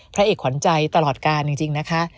พระเอกขวัญใจตลอดการจริงนะคะ